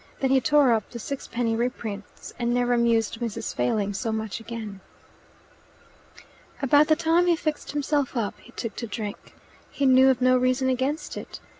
Then he tore up the sixpenny reprints, and never amused Mrs. Failing so much again. About the time he fixed himself up, he took to drink. He knew of no reason against it.